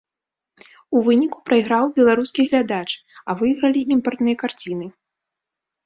У выніку прайграў беларускі глядач, а выйгралі імпартныя карціны.